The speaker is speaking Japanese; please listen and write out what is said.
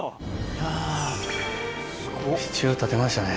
はぁ支柱立てましたね。